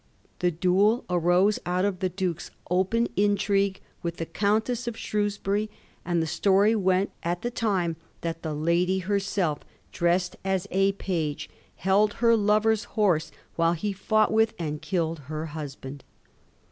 The duel arose out of the duke*s open intrigue with the Countess of Shrewsbury, and the story went at the thne that the lady herself, dressed as a page, held her lover's horse while he fought with and killed her husband.